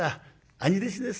兄弟子です。